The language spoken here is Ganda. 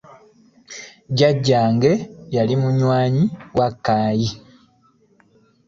Jajjange yali munywi wa caayi.